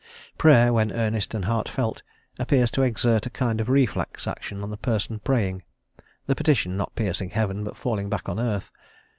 Prayer, when earnest and heartfelt, appears to exert a kind of reflex action on the person praying, the petition not piercing heaven, but falling back upon earth.